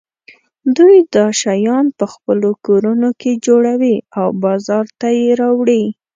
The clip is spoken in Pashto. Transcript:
دوی دا شیان په خپلو کورونو کې جوړوي او بازار ته یې راوړي.